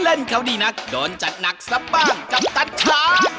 เล่นเขาดีนักโดนจัดหนักซะบ้างกัปตันช้าง